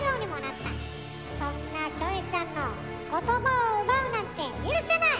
そんなキョエちゃんの言葉を奪うなんて許せない！